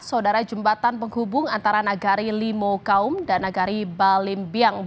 saudara jembatan penghubung antara nagari limo kaum dan nagari balimbiang